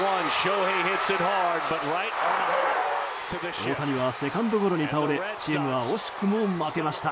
大谷はセカンドゴロに倒れチームは惜しくも負けました。